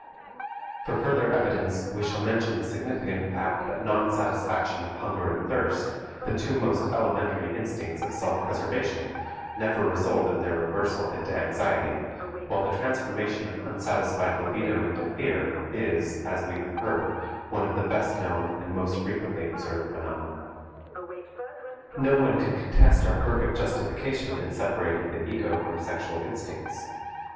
For further evidence we shall mention the significant fact that non satisfaction of hunger and thirst, the two most elementary instincts of self preservation, never result in their reversal into anxiety, while the transformation of unsatisfied libido into fear is, as we have heard, one of the best known and most frequently observed phenomena. No one can contest our perfect justification in separating the ego from sexual instincts.